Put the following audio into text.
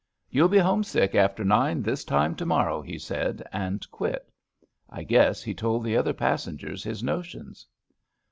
* You'll be homesick after nine this time to morrow,' he said and quit. I guess he told the other passengers his notions.